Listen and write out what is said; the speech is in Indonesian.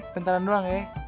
bentaran doang ya